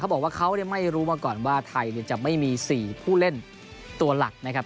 บอกว่าเขาไม่รู้มาก่อนว่าไทยจะไม่มี๔ผู้เล่นตัวหลักนะครับ